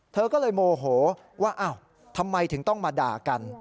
เธอก็เลยโมโหว่าอ้าวทำไมถึงต้องมาด่ากัน